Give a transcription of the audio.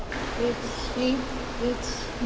１２。